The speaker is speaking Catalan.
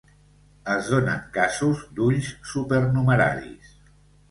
Es donen casos d'ulls supernumeraris.